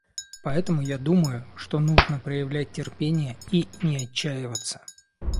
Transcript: Поэтому я думаю, что нужно проявлять терпение и не отчаиваться.